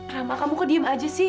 rama kamu ke diem aja sih